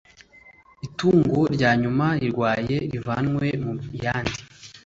itungo rya nyuma rirwaye rivanwe mu yandi